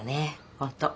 本当。